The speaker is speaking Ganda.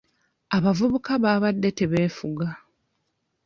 Abavubuka baabadde tebeefuga.